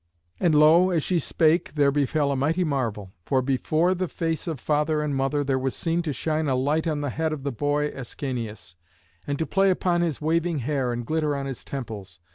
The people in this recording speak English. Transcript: And lo! as she spake there befell a mighty marvel, for before the face of father and mother there was seen to shine a light on the head of the boy Ascanius, and to play upon his waving hair and glitter on his temples.